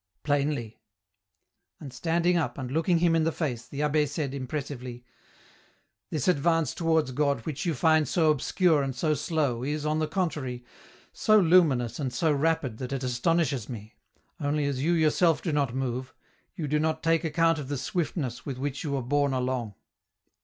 " Plainly." And standing up, and looking him in the face, the 3.hh6 said, impressively, " This advance towards God which you find so obscure and so slow is, on the contrary, so luminous and so rapid that it astonishes me, only as you yourself do not move, you do not take account of the swiftness with which you are borne along.